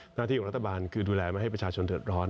หน้าที่ของรัฐบาลคือดูแลไม่ให้ประชาชนเดือดร้อน